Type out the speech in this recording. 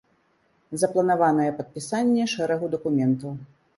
Запланаванае падпісанне шэрагу дакументаў.